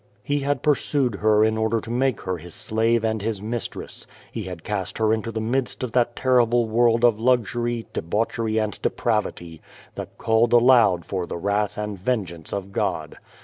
He had pursued her in order to make her his slave and liis mistress. He had cast her into the midst of that terrible world ot luxury, debauchery and depravity, that called aloud for the wrath and vengeance of God.